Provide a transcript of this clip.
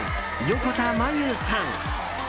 横田真悠さん。